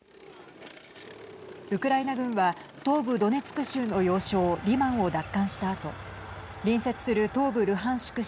ウクライナ軍は東部ドネツク州の要衝リマンを奪還したあと隣接する東部ルハンシク